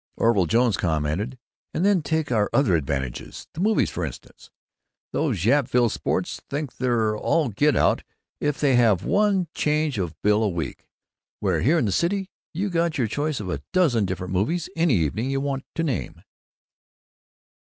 Orville Jones commented, "And, then take our other advantages the movies, frinstance. These Yapville sports think they're all get out if they have one change of bill a week, where here in the city you got your choice of a dozen diff'rent movies any evening you want to name!"